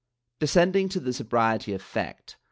^ Descending to the sobriety of fact.